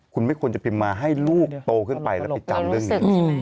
คุณไม่ควรจะพิมพ์มาให้ลูกโตขึ้นไปแล้วไปจำเรื่องนี้